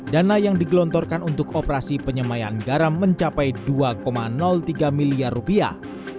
dana yang digelontorkan untuk operasi penyemayan garam mencapai dua tiga miliar rupiah